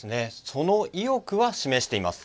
その意欲は示しています。